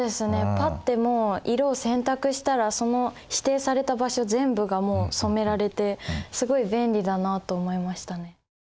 パッてもう色を選択したらその指定された場所全部がもう染められてすごい便利だなと思いましたね。